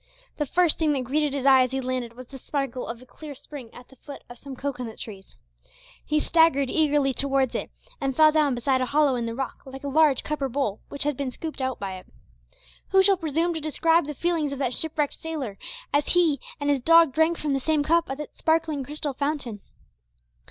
The first thing that greeted his eye as he landed was the sparkle of a clear spring at the foot of some cocoanut trees. He staggered eagerly towards it, and fell down beside a hollow in the rock, like a large cup or bowl, which had been scooped out by it. Who shall presume to describe the feelings of that shipwrecked sailor as he and his dog drank from the same cup at that sparkling crystal fountain?